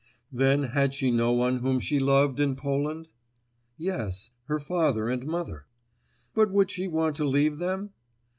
Then had she no one whom she loved in Poland? Yes—her father and mother. But would she want to leave them?